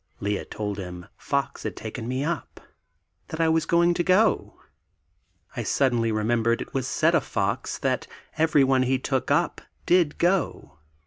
Lea told him Fox had taken me up; that I was going to go. I suddenly remembered it was said of Fox that everyone he took up did "go."